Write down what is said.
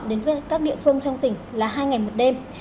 đến các địa phương trong tỉnh là hai ngày một đêm